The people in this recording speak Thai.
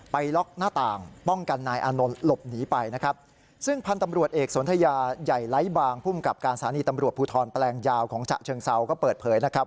ไปล็อกหน้าต่างป้องกันนายอานนท์หลบหนีไปนะครับ